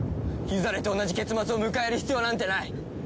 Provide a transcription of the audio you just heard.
ユザレと同じ結末を迎える必要なんてない！